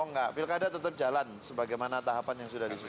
oh enggak pilkada tetap jalan sebagaimana tahapan yang sudah disebutkan